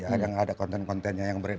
ada yang ada konten kontennya yang beredar